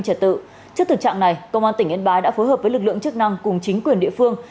trước thực trạng này công an tỉnh yên bái đã phối hợp với lực lượng chức năng cùng chính quyền địa phương